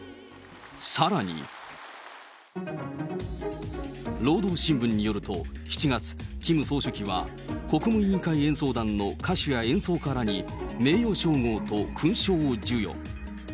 さらに。労働新聞によると、７月、キム総書記は国務委員会演奏団の歌手や演奏家らに名誉称号と勲章を授与。